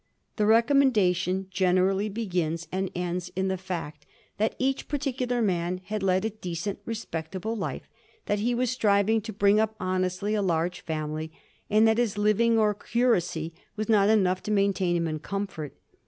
The recommendation generally begins and ends in the fact that each particular man had led a decent, respectable life; that he was striving to bring up honestly a large family ; and that his living or curacy was not enough to maintain him in comfort.